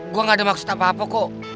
gue gak ada maksud apa apa kok